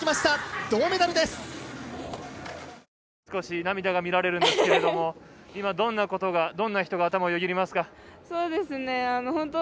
少し涙が見られるんですけれども今、どんなことが、どんな人が頭をよぎりますか？